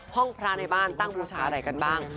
ห้องพระในบ้านตั้งบูชาอะไรกันบ้าง